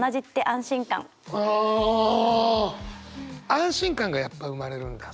安心感がやっぱ生まれるんだ。